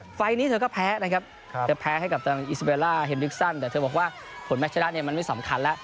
ไฟล์นี้เธอก็แพ้นะครับเธอแพ้ให้กับทางอิสเบลล่าเฮนดริกซันแต่เธอบอกว่าผลแม็กชนะเนี่ยมันไม่สำคัญแล้ว